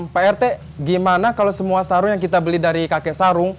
prt gimana kalau semua sarung yang kita beli dari kakek sarung